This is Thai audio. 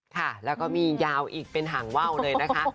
ค่ะแล้วก็มียาวอีกเป็นห่างว่าวเลยนะคะ